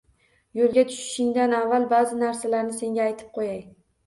Yo`lga tushishingdan avval ba`zi narsalarni senga aytib qo`yay